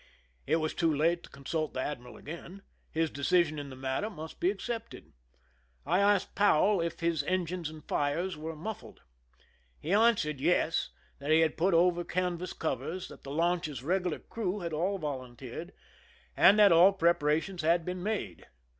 It was too late to consult the admiral again. His decision in the matter must be accepted. I asked Powell if his engines and fires were muffled. He ianswered yes, that he had put over canvas covers, that the launch's regular crew had all volunteered, and that all prep arations had been made.